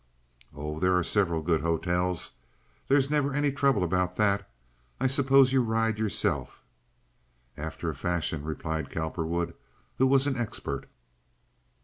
"Oh, there are several good hotels. There's never any trouble about that. I suppose you ride yourself?" "After a fashion," replied Cowperwood, who was an expert.